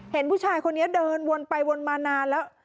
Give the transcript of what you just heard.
เห็นผู้ชายคนนี้เดินวนไปวนมานานแล้ว